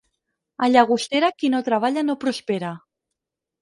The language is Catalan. A Llagostera qui no treballa no prospera.